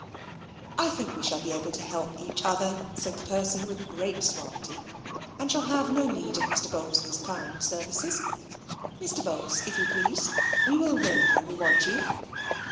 "I think we shall be able to help each other," said the person with great suavity: "and shall have no need of Mr. Bowls's kind services. Mr. Bowls, if you please, we will ring when we want you."